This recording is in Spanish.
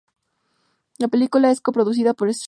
La película es co-producida por Syfy.